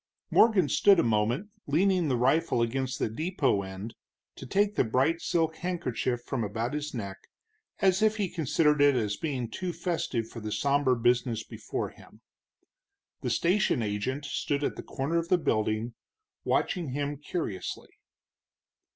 Morgan stood a moment, leaning the rifle against the depot end, to take the bright silk handkerchief from about his neck, as if he considered it as being too festive for the somber business before him. The station agent stood at the corner of the building, watching him curiously.